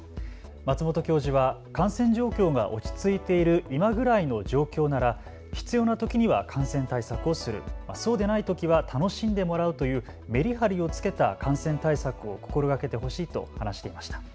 松本教授は感染状況が落ち着いている今ぐらいの状況なら必要なときには感染対策をする、そうでないときは楽しんでもらうというめりはりをつけた感染対策を心がけてほしいと話していました。